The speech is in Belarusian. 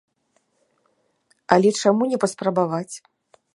Але чаму не паспрабаваць?